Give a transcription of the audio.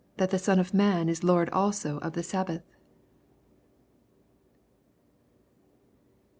That the Son of man is Lord also oi the sab* bath.